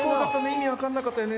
意味わかんなかったよね